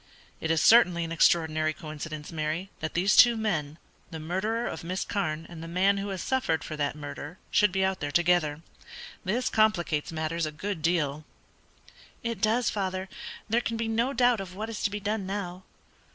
"It is certainly an extraordinary coincidence, Mary, that these two men the murderer of Miss Carne and the man who has suffered for that murder should be out there together. This complicates matters a good deal." "It does, father. There can be no doubt of what is to be done now."